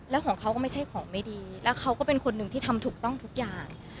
แล้วของเขาก็ไม่ใช่ของไม่ดีแล้วเขาก็เป็นคนหนึ่งที่ทำถูกต้องทุกอย่าง